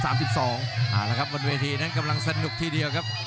เอาละครับบนเวทีนั้นกำลังสนุกทีเดียวครับ